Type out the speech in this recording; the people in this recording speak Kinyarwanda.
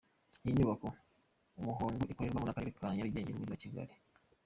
Iyi nyubako y’ umuhondo ikorerwamo n’ akarere ka Nyarugenge n’ umugi wa Kigali.